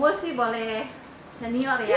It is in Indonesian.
gue sih boleh senior ya